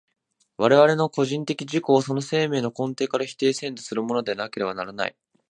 我々の個人的自己をその生命の根底から否定せんとするものでなければならない。